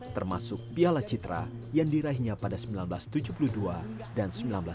termasuk piala citra yang diraihnya pada seribu sembilan ratus tujuh puluh dua dan seribu sembilan ratus sembilan puluh